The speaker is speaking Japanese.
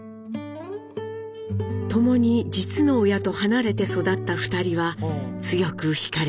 共に実の親と離れて育った２人は強く惹かれ合いました。